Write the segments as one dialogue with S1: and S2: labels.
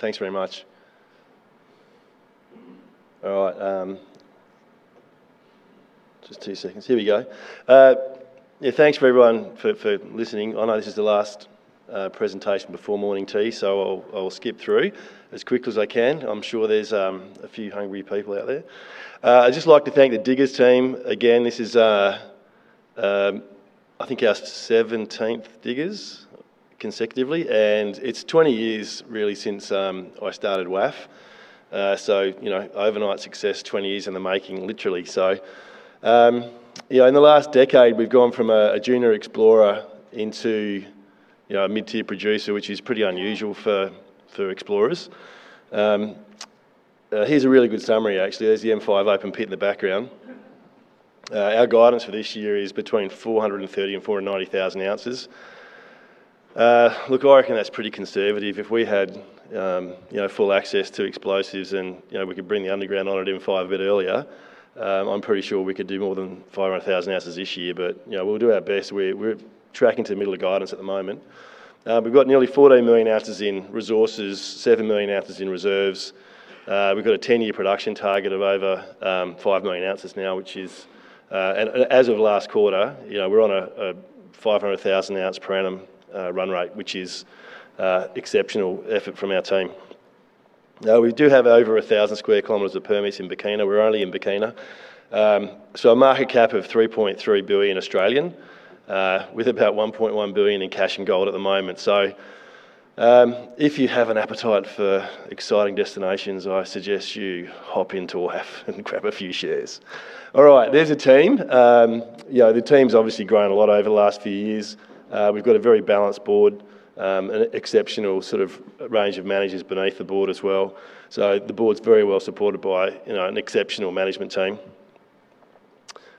S1: Thanks very much. All right. Just two seconds. Here we go. Yeah, thanks, everyone, for listening. I know this is the last presentation before morning tea. I'll skip through as quickly as I can. I'm sure there's a few hungry people out there. I'd just like to thank the Diggers team again. This is, I think, our 17th Diggers consecutively. It's 20 years really since I started WAF. Overnight success, 20 years in the making, literally. In the last decade, we've gone from a junior explorer into a mid-tier producer, which is pretty unusual for explorers. Here's a really good summary, actually. There's the M5 open pit in the background. Our guidance for this year is between 430,000 oz and 490,000 oz. Look, I reckon that's pretty conservative. If we had full access to explosives and we could bring the underground on at M5 a bit earlier, I'm pretty sure we could do more than 500,000 oz this year. We'll do our best. We're tracking to the middle of guidance at the moment. We've got nearly 14 million ounces in resources, 7 million ounces in reserves. We've got a 10-year production target of over 5 million ounces now. As of last quarter, we're on a 500,000 oz per annum run rate, which is exceptional effort from our team. We do have over 1,000 sq km of permits in Burkina. We're only in Burkina. A market cap of 3.3 billion, with about 1.1 billion in cash and gold at the moment. If you have an appetite for exciting destinations, I suggest you hop into WAF and grab a few shares. All right. There's the team. The team's obviously grown a lot over the last few years. We've got a very balanced board, an exceptional sort of range of managers beneath the board as well. The board's very well supported by an exceptional management team.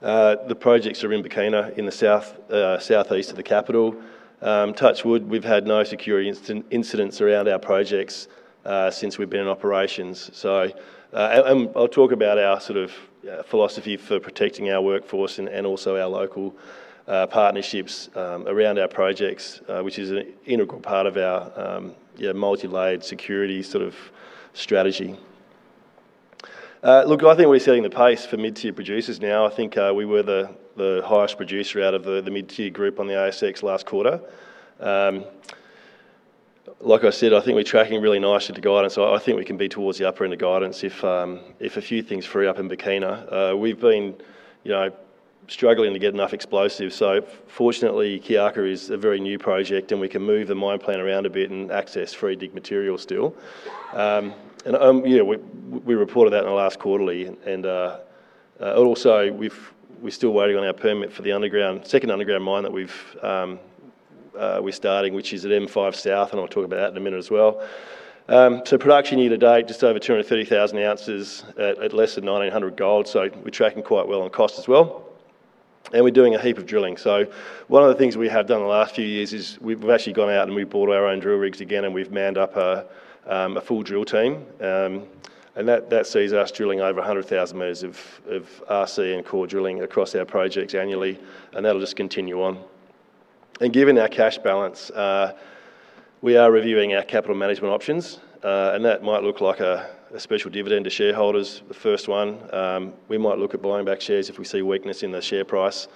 S1: The projects are in Burkina, in the southeast of the capital. Touch wood, we've had no security incidents around our projects since we've been in operations. I'll talk about our sort of philosophy for protecting our workforce and also our local partnerships around our projects, which is an integral part of our multilayered security sort of strategy. Look, I think we're setting the pace for mid-tier producers now. I think we were the highest producer out of the mid-tier group on the ASX last quarter. Like I said, I think we're tracking really nicely to guidance. I think we can be towards the upper end of guidance if a few things free up in Burkina. We've been struggling to get enough explosives. Fortunately, Kiaka is a very new project, and we can move the mine plan around a bit and access free dig material still. We reported that in the last quarterly. Also, we're still waiting on our permit for the second underground mine that we're starting, which is at M5 South. I'll talk about that in a minute as well. Production year to date, just over 230,000 oz at less than 1,900 gold. We're tracking quite well on cost as well. We're doing a heap of drilling. One of the things we have done in the last few years is we've actually gone out and we've bought our own drill rigs again, and we've manned up a full drill team. That sees us drilling over 100,000 m of RC and core drilling across our projects annually, and that'll just continue on. Given our cash balance, we are reviewing our capital management options, and that might look like a special dividend to shareholders. The first one. We might look at buying back shares if we see weakness in the share price.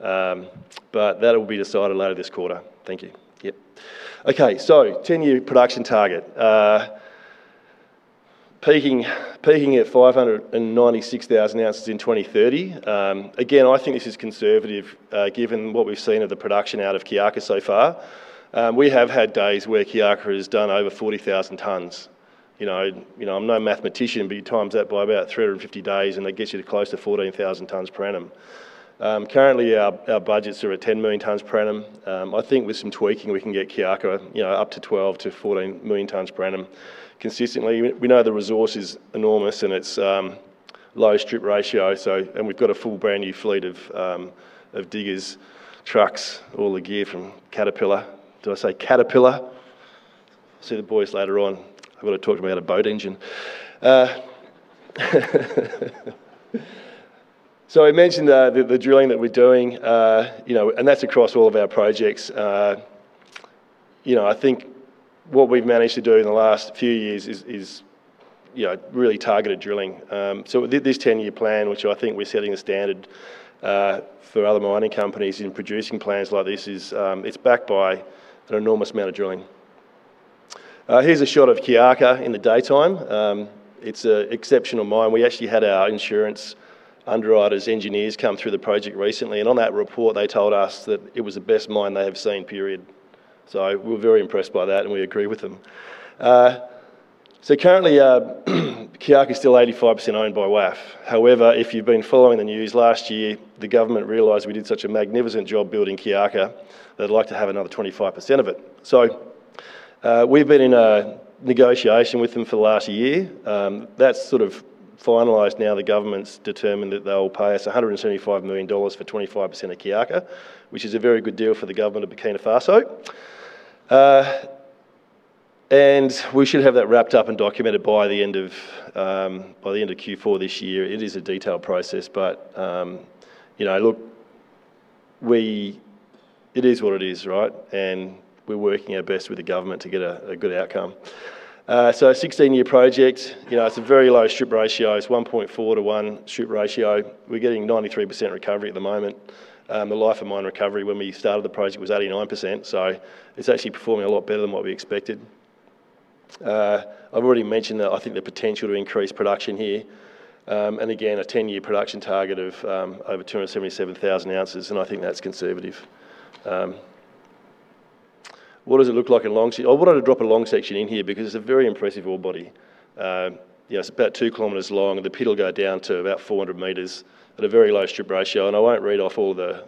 S1: That will be decided later this quarter. Thank you. Yep. Okay. 10-year production target. Peaking at 596,000 oz in 2030. Again, I think this is conservative, given what we've seen of the production out of Kiaka so far. We have had days where Kiaka has done over 40,000 tonnes. I'm no mathematician, you times that by about 350 days, and that gets you to close to 14,000 tonnes per annum. Currently, our budgets are at 10 million tonnes per annum. I think with some tweaking, we can get Kiaka up to 12 million tonnes-14 million tonnes per annum consistently. We know the resource is enormous, and it's low strip ratio. We've got a full brand-new fleet of diggers, trucks, all the gear from Caterpillar. Did I say Caterpillar? See the boys later on. I've got to talk to them about a boat engine. I mentioned the drilling that we're doing, and that's across all of our projects. I think what we've managed to do in the last few years is really targeted drilling. This 10-year plan, which I think we're setting the standard for other mining companies in producing plans like this, it's backed by an enormous amount of drilling. Here's a shot of Kiaka in the daytime. It's an exceptional mine. We actually had our insurance underwriters, engineers come through the project recently. On that report, they told us that it was the best mine they have seen, period. We're very impressed by that, and we agree with them. Currently, Kiaka's still 85% owned by WAF. However, if you've been following the news, last year, the government realized we did such a magnificent job building Kiaka, they'd like to have another 25% of it. We've been in a negotiation with them for the last year. That's sort of finalized now. The government's determined that they'll pay us 175 million dollars for 25% of Kiaka, which is a very good deal for the government of Burkina Faso. We should have that wrapped up and documented by the end of Q4 this year. It is a detailed process, but It is what it is, right? We're working our best with the government to get a good outcome. 16-year project. It's a very low strip ratio. It's 1.4:1 strip ratio. We're getting 93% recovery at the moment. The life of mine recovery when we started the project was 89%, so it's actually performing a lot better than what we expected. I've already mentioned that I think the potential to increase production here, a 10-year production target of over 277,000 oz, and I think that's conservative. What does it look like in long section? I wanted to drop a long section in here because it's a very impressive ore body. It's about 2 km long, and the pit will go down to about 400 m at a very low strip ratio. I won't read off all the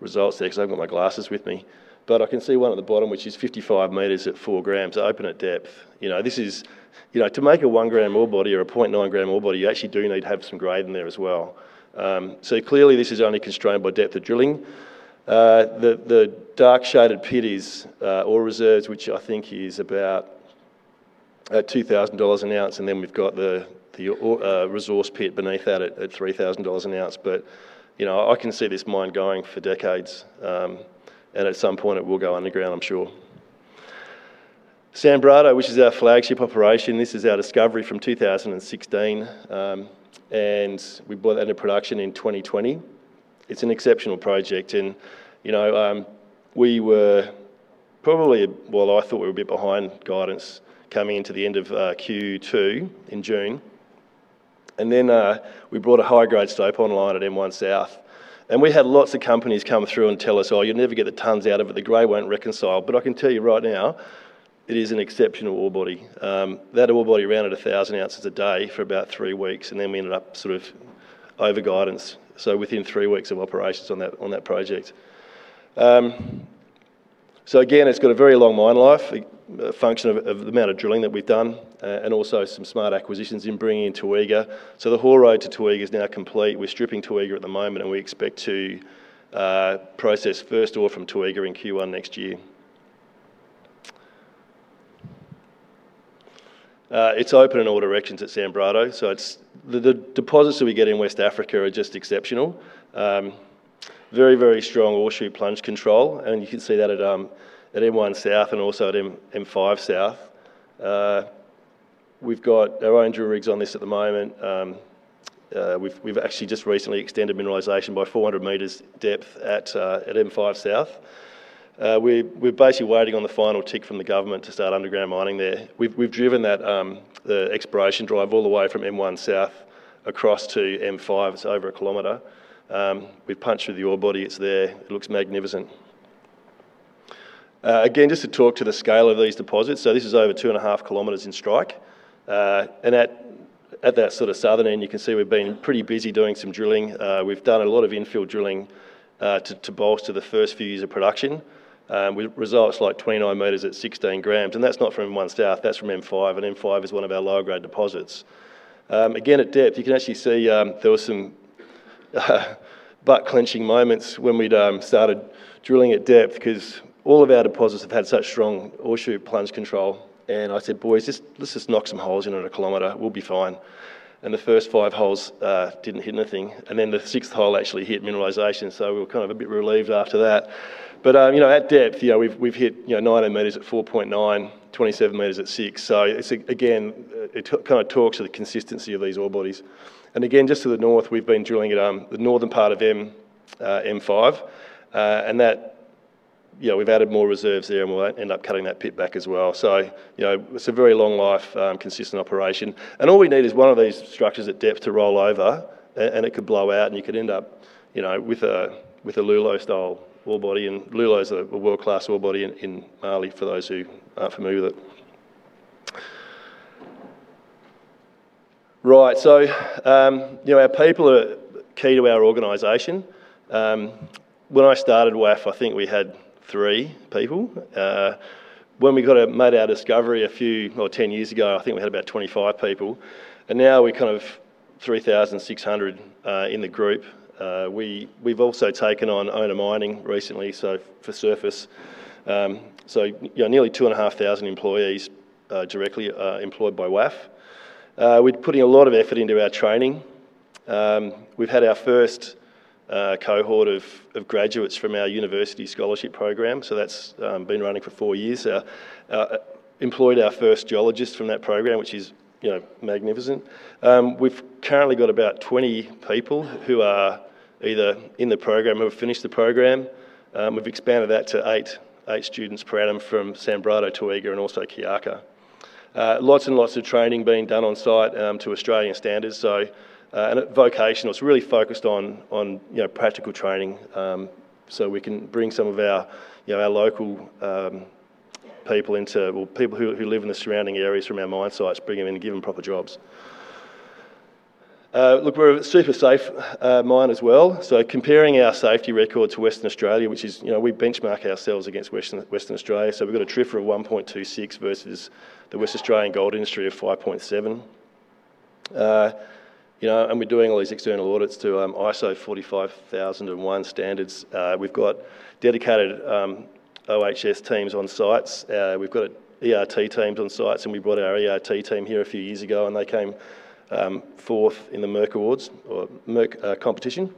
S1: results there because I've not got my glasses with me, but I can see one at the bottom, which is 55 m at 4 g, open at depth. To make a one-gram ore body or a 0.9-g ore body, you actually do need to have some grade in there as well. Clearly this is only constrained by depth of drilling. The dark-shaded pit is ore reserves, which I think is about at 2,000 dollars an ounce, and then we've got the resource pit beneath that at 3,000 dollars an ounce. I can see this mine going for decades. At some point, it will go underground, I'm sure. Sanbrado, which is our flagship operation, this is our discovery from 2016. We brought that into production in 2020. It's an exceptional project and we were probably, well, I thought we were a bit behind guidance coming into the end of Q2 in June. We had lots of companies come through and tell us, "Oh, you'll never get the tons out of it. The grade won't reconcile." I can tell you right now, it is an exceptional ore body. That ore body ran at 1,000 oz a day for about three weeks, we ended up sort of over guidance, so within three weeks of operations on that project. Again, it's got a very long mine life, a function of the amount of drilling that we've done, and also some smart acquisitions in bringing in Toega. The haul road to Toega is now complete. We're stripping Toega at the moment, we expect to process first ore from Toega in Q1 next year. It's open in all directions at Sanbrado. The deposits that we get in West Africa are just exceptional. Very, very strong ore shoot plunge control, you can see that at M1 South and also at M5 South. We've got our own drill rigs on this at the moment. We've actually just recently extended mineralization by 400 m depth at M5 South. We're basically waiting on the final tick from the government to start underground mining there. We've driven the exploration drive all the way from M1 South across to M5, so over 1 km. We've punched through the ore body. It's there. It looks magnificent. Again, just to talk to the scale of these deposits, this is over 2.5 km in strike. At that sort of southern end, you can see we've been pretty busy doing some drilling. We've done a lot of infill drilling to bolster the first few years of production, with results like 29 m at 16 g. That's not from M1 South, that's from M5, and M5 is one of our lower-grade deposits. Again, at depth, you can actually see there was some butt-clenching moments when we'd started drilling at depth because all of our deposits have had such strong ore shoot plunge control. I said, "Boys, let's just knock some holes in it a kilometer. We'll be fine." The first five holes didn't hit anything. The sixth hole actually hit mineralization, we were kind of a bit relieved after that. At depth, we've hit 900 m at 4.9 g, 27 m at 6.0 g. Again, it kind of talks to the consistency of these ore bodies. Again, just to the north, we've been drilling at the northern part of M5. We've added more reserves there, and we'll end up cutting that pit back as well. It's a very long life, consistent operation. All we need is one of these structures at depth to roll over, and it could blow out, and you could end up with a Loulo-style ore body. Loulo's a world-class ore body in Mali, for those who are familiar with it. Our people are key to our organization. When I started WAF, I think we had three people. When we made our discovery a few, well, 10 years ago, I think we had about 25 people. Now we're kind of 3,600 in the group. We've also taken on owner mining recently, so for surface. Nearly 2,500 employees are directly employed by WAF. We're putting a lot of effort into our training. We've had our first cohort of graduates from our university scholarship program, so that's been running for four years. Employed our first geologist from that program, which is magnificent. We've currently got about 20 people who are either in the program or have finished the program. We've expanded that to eight students per annum from Sanbrado, Toega, and also Kiaka. Lots and lots of training being done on-site to Australian standards. At vocational, it's really focused on practical training, so we can bring some of our local people into, well, people who live in the surrounding areas from our mine sites, bring them in and give them proper jobs. We're a super safe mine as well. Comparing our safety record to Western Australia, which is, we benchmark ourselves against Western Australia. We've got a TRIFR of 1.26 versus the West Australian gold industry of 5.7. We're doing all these external audits to ISO 45001 standards. We've got dedicated OHS teams on sites. We've got ERT teams on sites, and we brought our ERT team here a few years ago, and they came fourth in the MERC Awards or MERC Competition.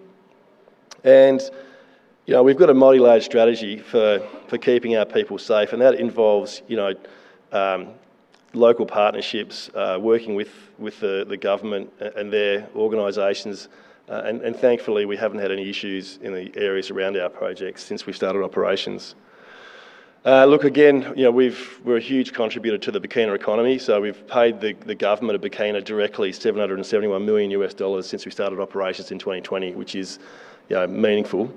S1: We've got a multi-layered strategy for keeping our people safe, that involves local partnerships, working with the government and their organizations. Thankfully, we haven't had any issues in the areas around our projects since we started operations. Again, we're a huge contributor to the Burkina economy, we've paid the government of Burkina directly $771 million since we started operations in 2020, which is meaningful.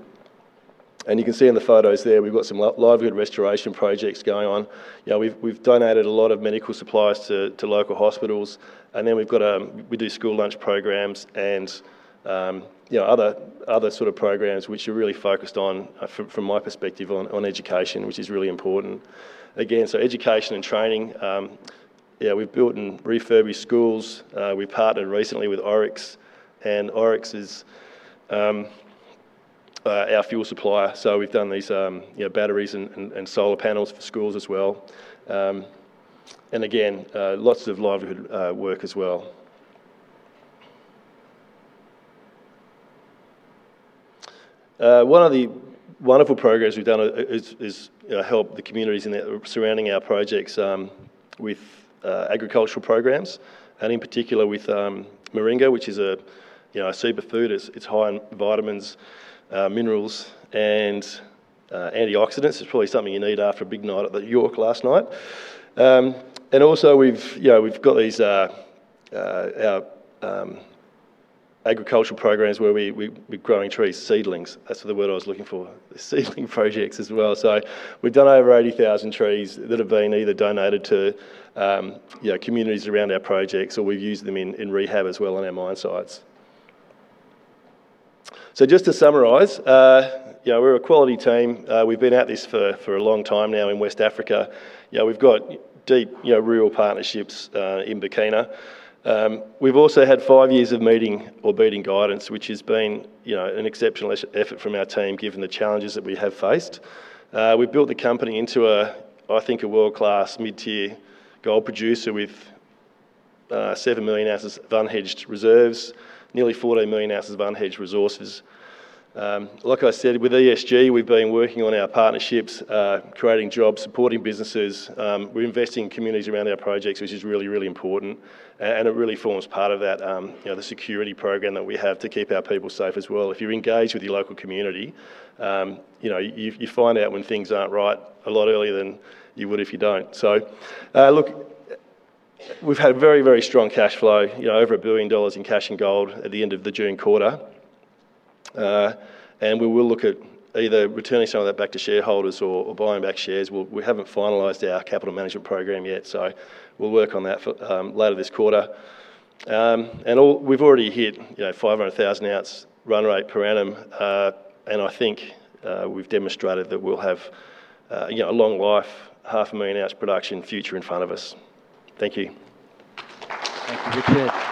S1: You can see in the photos there, we've got some livelihood restoration projects going on. We've donated a lot of medical supplies to local hospitals, we do school lunch programs and other sort of programs which are really focused on, from my perspective, on education, which is really important. Again, education and training, we've built and refurbished schools. We partnered recently with Oryx is our fuel supplier. We've done these batteries and solar panels for schools as well. Again, lots of livelihood work as well. One of the wonderful programs we've done is help the communities surrounding our projects with agricultural programs, and in particular with moringa, which is a superfood. It's high in vitamins, minerals, and antioxidants. It's probably something you need after a big night at the York last night. Our agricultural programs where we're growing tree seedlings. That's the word I was looking for. The seedling projects as well. We've done over 80,000 trees that have been either donated to communities around our projects, or we've used them in rehab as well on our mine sites. Just to summarize, we're a quality team. We've been at this for a long time now in West Africa. We've got deep rural partnerships in Burkina. We've also had five years of meeting or beating guidance, which has been an exceptional effort from our team, given the challenges that we have faced. We've built the company into, I think, a world-class, mid-tier gold producer with 7 million ounces of unhedged reserves, nearly 14 million ounces of unhedged resources. Like I said, with ESG, we've been working on our partnerships, creating jobs, supporting businesses. We're investing in communities around our projects, which is really, really important, and it really forms part of that, the security program that we have to keep our people safe as well. If you engage with your local community, you find out when things aren't right a lot earlier than you would if you don't. Look, we've had very, very strong cash flow, over 1 billion dollars in cash and gold at the end of the June quarter. We will look at either returning some of that back to shareholders or buying back shares. We haven't finalized our capital management program yet, we'll work on that later this quarter. We've already hit 500,000 oz run rate per annum. I think we've demonstrated that we'll have a long life, half a million ounce production future in front of us. Thank you.
S2: Thank you, Richard.